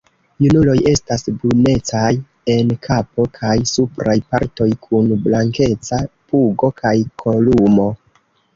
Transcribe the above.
Junuloj estas brunecaj en kapo kaj supraj partoj, kun blankeca pugo kaj kolumo.